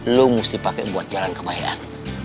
lo mesti pake buat jalan kebaikan